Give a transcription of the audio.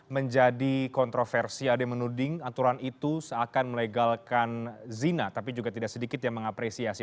menjadi kontroversi ada yang menuding aturan itu seakan melegalkan zina tapi juga tidak sedikit yang mengapresiasi